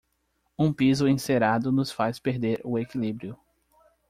Um piso encerado nos faz perder o equilíbrio.